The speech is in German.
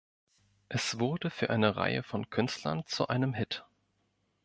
Es wurde für eine Reihe von Künstlern zu einem Hit.